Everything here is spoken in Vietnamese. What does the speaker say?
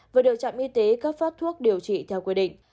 vừa được trạm y tế cấp phát thuốc điều trị theo quy định